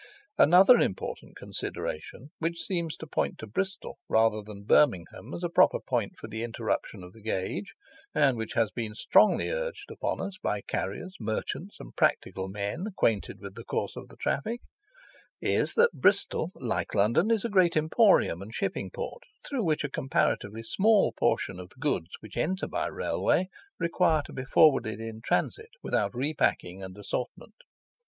Another important consideration which seems to point to Bristol rather than Birmingham, as a proper point for the interruption of the gauge, and which has been strongly urged upon us by carriers, merchants, and practical men acquainted with the course of traffic, is, that Bristol, like London, is a great emporium and shipping port, through which a comparatively small portion of the goods which enter by Railway require to be forwarded in transit without repacking and assortment.